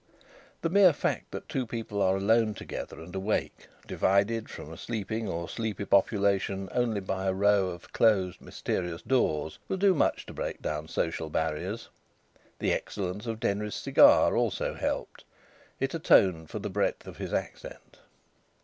The mere fact that two people are alone together and awake, divided from a sleeping or sleepy population only by a row of closed, mysterious doors, will do much to break down social barriers. The excellence of Denry's cigar also helped. It atoned for the breadth of his accent.